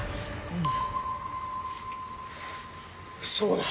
そうだ！